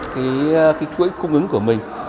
cái chuỗi cung ứng của mình